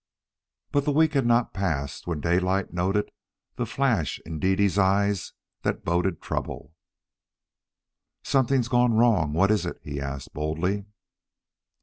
But the week had not passed, when Daylight noted the flash in Dede's eyes that boded trouble. "Something's gone wrong what is it?" he asked boldly.